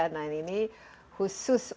nah ini khusus